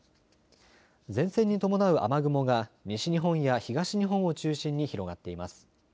前線に伴う雨雲が西日本や東日本を中心に広がっています。